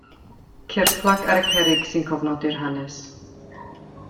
Ceir plac ar y cerrig sy'n cofnodi'r hanes.